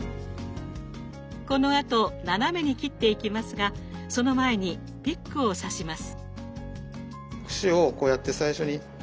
このあと斜めに切っていきますがその前にピックを刺します。